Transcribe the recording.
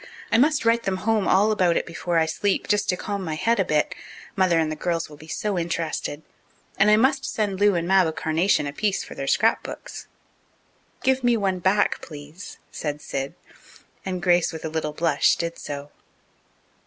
I must write them home all about it before I sleep, just to calm my head a bit. Mother and the girls will be so interested, and I must send Lou and Mab a carnation apiece for their scrapbooks." "Give me one back, please," said Sid. And Grace with a little blush, did so.